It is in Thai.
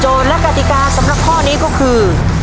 และกติกาสำหรับข้อนี้ก็คือ